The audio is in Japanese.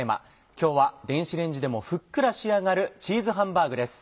今日は電子レンジでもふっくら仕上がる「チーズハンバーグ」です。